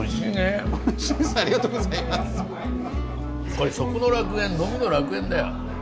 これ食の楽園呑みの楽園だよ。